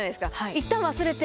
いったん忘れて。